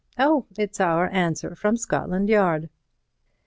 Oh, it's our answer from Scotland Yard."